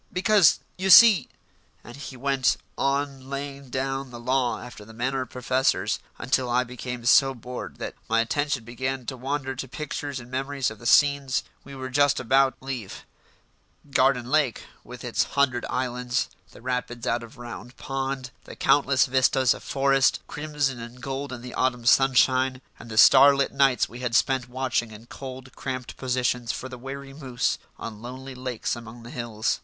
Because, you see " And he went on laying down the law after the manner of professors, until I became so bored that my attention began to wander to pictures and memories of the scenes we were just about to leave: Garden Lake, with its hundred islands; the rapids out of Round Pond; the countless vistas of forest, crimson and gold in the autumn sunshine; and the starlit nights we had spent watching in cold, cramped positions for the wary moose on lonely lakes among the hills.